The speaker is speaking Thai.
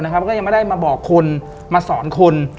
ก็ยังไม่ได้มาบอกคนมาสอนคน